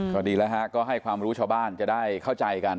ก็ดีแล้วฮะก็ให้ความรู้ชาวบ้านจะได้เข้าใจกัน